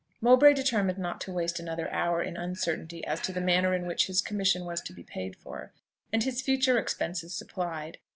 Mowbray determined not to waste another hour in uncertainty as to the manner in which his commission was to be paid for, and his future expenses supplied.